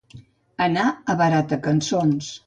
Anar a barata cançons.